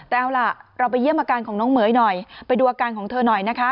แต่เอาล่ะเราไปเยี่ยมอาการของน้องเหม๋ยหน่อยไปดูอาการของเธอหน่อยนะคะ